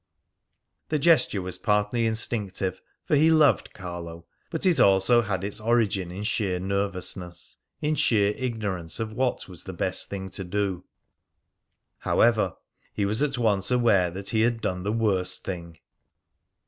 The gesture was partly instinctive, for he loved Carlo; but it also had its origin in sheer nervousness, in sheer ignorance of what was the best thing to do. However, he was at once aware that he had done the worst thing.